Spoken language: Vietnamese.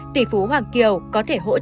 tỷ phú hoàng kiều có thể nói rằng